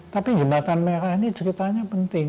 tapi jembatan merah ini ceritanya penting